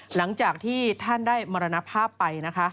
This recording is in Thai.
หลังจากที่ท่านได้มรณภาพไปนะคะ